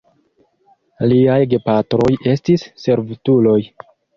Liaj gepatroj estis servutuloj.